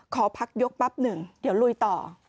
ขอพักยกแป๊บหนึ่งเดี๋ยวลุยต่อ